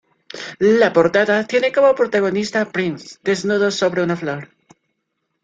La portada tiene como protagonista a Prince desnudo sobre una flor.